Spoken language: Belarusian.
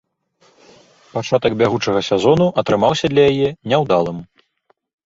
Пачатак бягучага сезону атрымаўся для яе няўдалым.